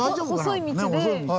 細い道で。